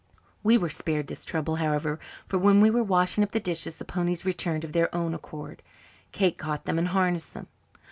We were spared this trouble, however, for when we were washing up the dishes the ponies returned of their own accord. Kate caught them and harnessed them.